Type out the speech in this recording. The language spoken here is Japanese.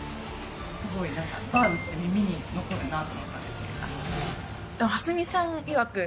すごいなんかバウって耳に残るなって思ったんですけど。